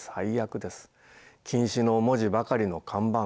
「禁止」の文字ばかりの看板